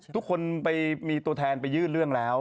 ทุกคนไปมีตัวแทนไปยื่นเรื่องแล้ว